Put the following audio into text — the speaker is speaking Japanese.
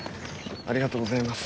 ありがとうございます。